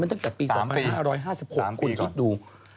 มันตั้งแต่ตั้งแต่ปี๒๐๐๕คุณคิดดู